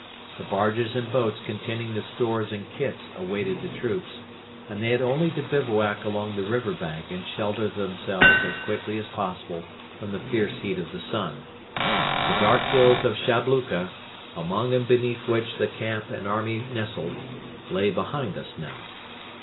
The barges and boats containing the stores and kits awaited the troops, and they had only to bivouac along the river bank and shelter themselves as quickly as possible from the fierce heat of the sun. The dark hills of Shabluka, among and beneath which the camp and army nestled, lay behind us now.